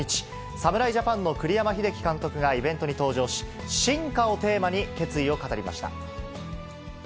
侍ジャパンの栗山英樹監督がイベントに登場し、進化をテーマに決意を語りました。